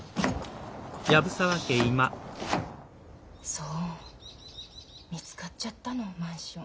そう見つかっちゃったのマンション。